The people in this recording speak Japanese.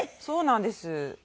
そうなんです。